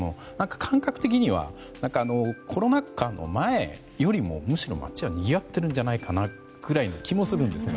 感覚的にはコロナ禍の前よりもむしろ街はにぎわっているんじゃないかくらいの気はするんですが。